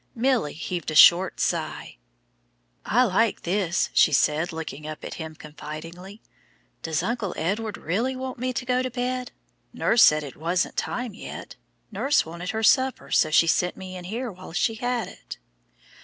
Milly heaved a short sigh. "I like this," she said, looking up at him confidingly. "Does Uncle Edward really want me to go to bed? Nurse said it wasn't time yet. Nurse wanted her supper, so she sent me in here while she had it."